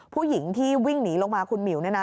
ผู้หญิงที่วิ่งหนีลงมาคุณหมิว